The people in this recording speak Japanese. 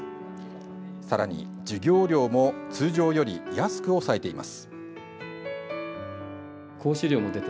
さらに、授業料も通常より安く抑えています。